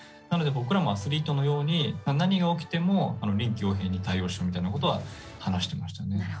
なので僕らもアスリートのように何が起きても臨機応変に対応しようみたいなことは話していましたね。